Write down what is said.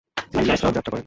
তিনি লাসা যাত্রা করেন।